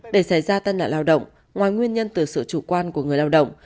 để xảy ra tai nạn lao động ngoài nguyên nhân từ sự chủ quan của người lao động